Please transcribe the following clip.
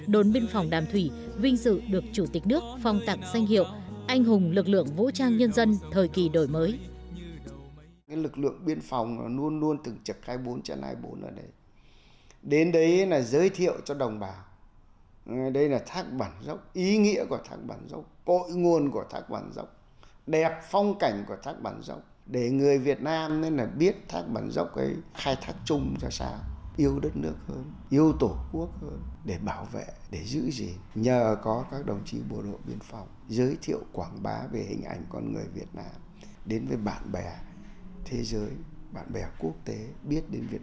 đồn biên phòng đàm thủy vinh dự được chủ tịch nước phong tặng danh hiệu anh hùng lực lượng vũ trang nhân dân thời kỳ đổi mới